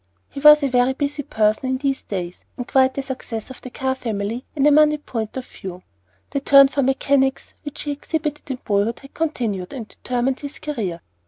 He was a very busy person in these days, and quite the success of the Carr family in a moneyed point of view. The turn for mechanics which he exhibited in boyhood had continued, and determined his career.